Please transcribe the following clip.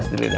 pas dulu ya